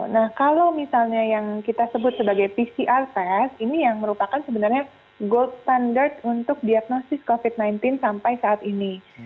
nah kalau misalnya yang kita sebut sebagai pcr test ini yang merupakan sebenarnya gold standard untuk diagnosis covid sembilan belas sampai saat ini